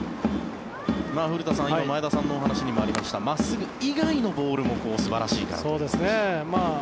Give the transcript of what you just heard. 古田さん、今前田さんの話にもありました真っすぐ以外のボールも素晴らしいですね。